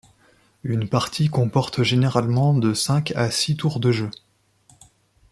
Une partie comporte généralement de cinq à six tours de jeu.